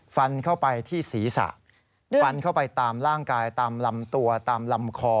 ฟันเข้าไปที่ศีรษะฟันเข้าไปตามร่างกายตามลำตัวตามลำคอ